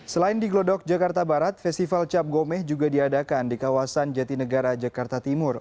selain di glodok jakarta barat festival cap gomeh juga diadakan di kawasan jatinegara jakarta timur